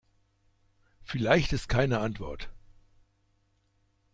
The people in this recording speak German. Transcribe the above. Vielleicht ist keine Antwort.